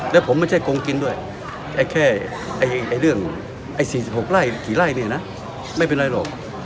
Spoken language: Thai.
แล้วผมไม่ใช่กงกินด้วยแค่เรื่อง๔๖ไร่กี่ไร่เนี่ยนะไม่เป็นไรหรอก